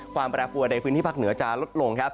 ความปรับปัวในพื้นที่ภาคเหนือจะลดลง